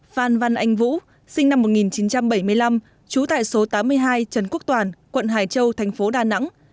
phan văn anh vũ sinh năm một nghìn chín trăm bảy mươi năm trú tại số tám mươi hai trần quốc toàn quận hải châu thành phố đà nẵng